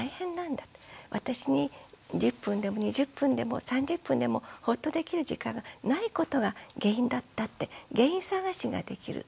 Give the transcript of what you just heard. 私に１０分でも２０分でも３０分でもホッとできる時間がないことが原因だったって原因探しができる。